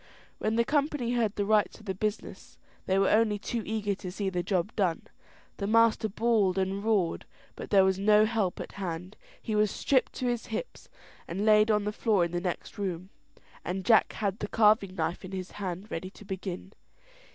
When the company heard the rights of the business, they were only too eager to see the job done. The master bawled and roared, but there was no help at hand. He was stripped to his hips, and laid on the floor in the next room, and Jack had the carving knife in his hand ready to begin.